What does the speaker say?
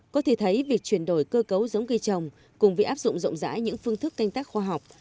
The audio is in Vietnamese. có thể thấy việc chuyển đổi cơ cấu giống cây trồng cùng với áp dụng rộng rãi những phương thức canh tác khoa học